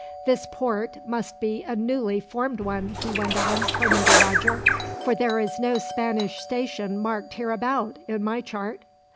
"This port must be a newly formed one," he went on, turning to Roger, "for there is no Spanish station marked hereabout, in my chart."